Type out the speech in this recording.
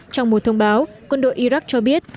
trong một thông báo quân đội iraq cho biết